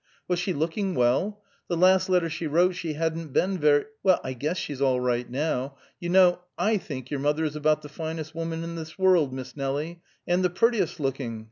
"Was she looking well? The last letter she wrote she hadn't been very " "Well, I guess she's all right, now. You know I think your mother is about the finest woman in this world, Miss Nelie, and the prettiest looking.